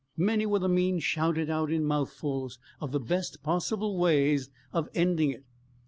Many were the means shouted out in mouthfuls, of the best possible ways of ending it.